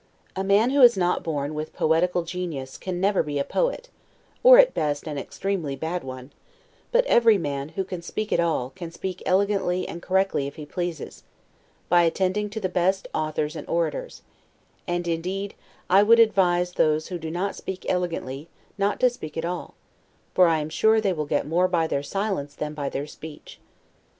A man who is not born with a poetical genius, can never be a poet, or at best an extremely bad one; but every man, who can speak at all, can speak elegantly and correctly if he pleases, by attending to the best authors and orators; and, indeed, I would advise those who do not speak elegantly, not to speak at all; for I am sure they will get more by their silence than by their speech.